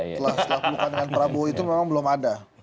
setelah pelukan dengan prabowo itu memang belum ada